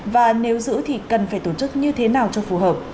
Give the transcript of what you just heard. và nếu giữ thì cần phải tổ chức như thế nào cho phù hợp